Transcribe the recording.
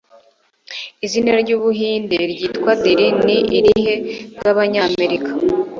Izina ryUbuhinde ryitwa dilli ni irihe bwabanyamerika